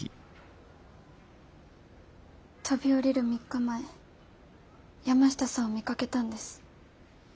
飛び降りる３日前山下さんを見かけたんです。